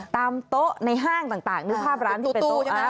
ตามโต๊ะในห้างต่างนึกภาพร้านที่เป็นโต๊ะนะ